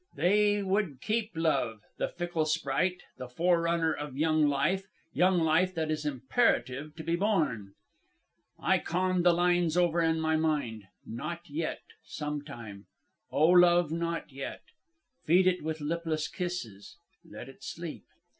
They would keep Love, the fickle sprite, the forerunner of young life young life that is imperative to be born! "I conned the lines over in my mind 'Not yet, sometime' 'O Love, not yet' 'Feed it with lipless kisses, let it sleep.'